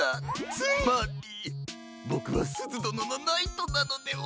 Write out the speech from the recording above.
つまりボクはすずどののナイトなのでは？